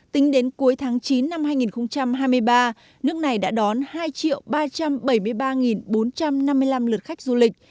tính đến cuối tháng chín năm hai nghìn hai mươi ba nước này đã đón hai ba trăm bảy mươi ba bốn trăm năm mươi năm lượt khách du lịch